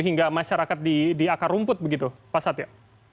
hingga masyarakat di akar rumput begitu pasat ya